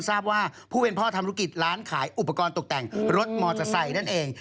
ทราบว่าผู้เป็นพ่อทำธุรกิจร้านขายอุปกรณ์ตกแต่งรถมอเตอร์ไซค์นั่นเอง